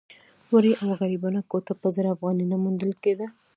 ورې او غریبانه کوټه په زر افغانۍ نه موندل کېده.